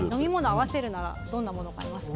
合わせるならどんなものが合いますか？